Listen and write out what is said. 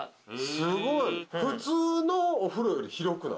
すごい！普通のお風呂より広くない？